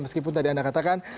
meskipun tadi anda katakan